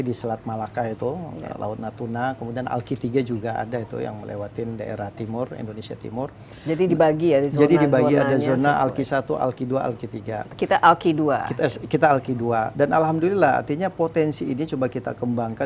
dikelola bareng bareng sehingga